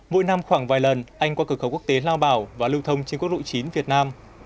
mỗi năm khoảng vài lần anh qua cửa khẩu quốc tế lao bảo và lưu thông trên quốc lộ chín việt nam